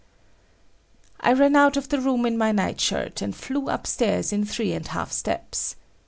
I ran out of the room in my night shirt, and flew upstairs in three and half steps.